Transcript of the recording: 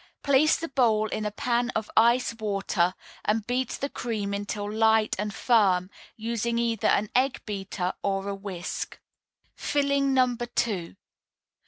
Place the bowl in a pan of ice water, and beat the cream until light and firm, using either an egg beater or a whisk. FILLING NO.